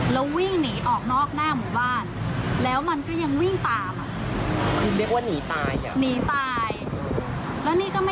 แล้ววิ่งหนีออกนอกหน้าหมู่บ้านแล้วมันก็ยังวิ่งตาม